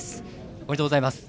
おめでとうございます。